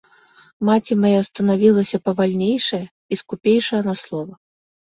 Маці мая станавілася павальнейшая і скупейшая на слова.